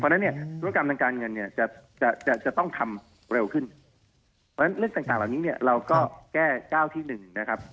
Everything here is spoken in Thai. เพราะฉะนั้นธุรกรรมต่างการเงินจะต้องทำเร็วขึ้นเพราะฉะนั้นเรื่องต่างเราก็แก้๙ที่๑นะครับ